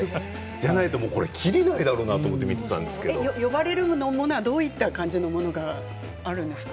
じゃないときりがないだろうなと思って呼ばれるものはどういった感じのものがあるんですか。